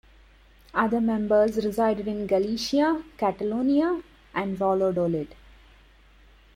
Others members resided in Galicia, Catalonia and Valladolid.